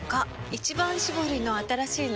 「一番搾り」の新しいの？